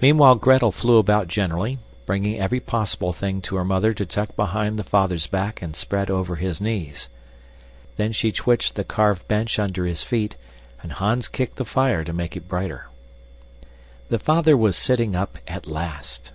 Meanwhile Gretel flew about generally, bringing every possible thing to her mother to tuck behind the father's back and spread over his knees. Then she twitched the carved bench under his feet, and Hans kicked the fire to make it brighter. The father was sitting up at last.